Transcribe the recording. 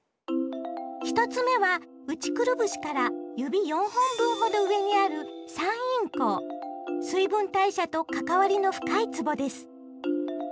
１つ目は内くるぶしから指４本分ほど上にある水分代謝と関わりの深いつぼです。